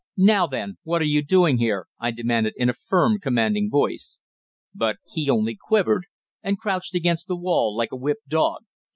"Now then, what are you doing here?" I demanded in a firm, commanding voice. But he only quivered, and crouched against the wall like a whipped dog.